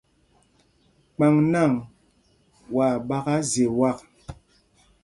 Kpaŋ nǎŋ, waa ɓaka zye wak.